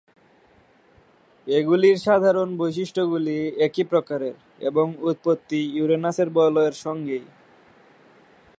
এগুলির সাধারণ বৈশিষ্ট্যগুলি একই প্রকারের এবং উৎপত্তি ইউরেনাসের বলয়ের সঙ্গেই।